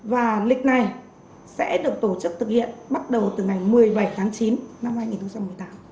và lịch này sẽ được tổ chức thực hiện bắt đầu từ ngày một mươi bảy tháng chín năm hai nghìn một mươi tám